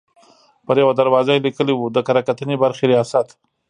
پر یوه دروازه یې لیکلي وو: د کره کتنې برخې ریاست.